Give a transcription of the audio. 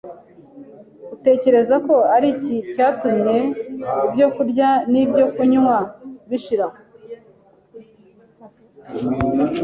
Utekereza ko ari iki cyatumye ibyo kurya n’ibyo kunywa bishira